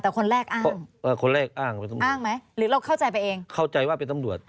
แต่คนแรกอ้างว่าคนแรกอ้างเราต้องอ้างไหมหรือเราเข้าใจไปเองเข้าใจว่าเป็นตำรวจ